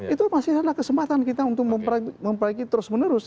itu masih adalah kesempatan kita untuk memperbaiki terus menerus